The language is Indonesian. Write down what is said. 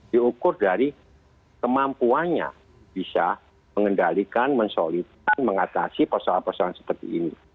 diukur dari kemampuannya bisa mengendalikan mensolidkan mengatasi persoalan persoalan seperti ini